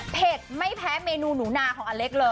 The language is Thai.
ไม่แพ้เมนูหนูนาของอเล็กเลย